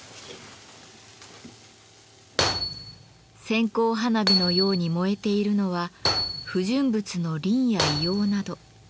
線香花火のように燃えているのは不純物のリンや硫黄など。